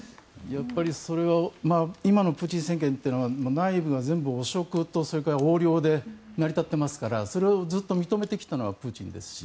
やっぱりそれは今のプーチン政権は内部が全部、汚職と横領で成り立っていますからそれをずっと認めてきたのはプーチンですし。